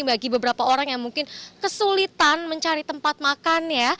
bagi beberapa orang yang mungkin kesulitan mencari tempat makan ya